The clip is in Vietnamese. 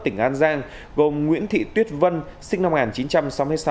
tỉnh an giang gồm nguyễn thị tuyết vân sinh năm một nghìn chín trăm sáu mươi sáu